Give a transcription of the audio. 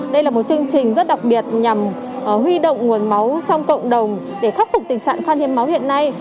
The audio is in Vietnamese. đây là một chương trình rất đặc biệt nhằm huy động nguồn máu trong cộng đồng để khắc phục tình trạng khăn hiên máu hiện nay